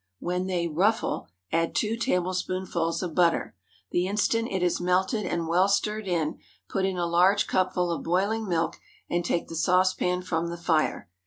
When they "ruffle," add two tablespoonfuls of butter. The instant it is melted and well stirred in, put in a large cupful of boiling milk and take the saucepan from the fire.